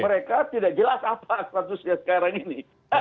mereka tidak jelas apa statusnya sekarang ini